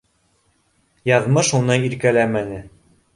Яҙмыш уны иркәләмәне